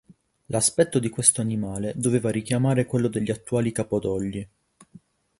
L'aspetto di questo animale doveva richiamare quello degli attuali capodogli.